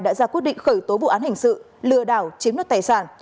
đã ra quyết định khởi tố vụ án hình sự lừa đảo chiếm đoạt tài sản